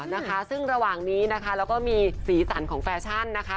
นะคะซึ่งระหว่างนี้นะคะแล้วก็มีสีสันของแฟชั่นนะคะ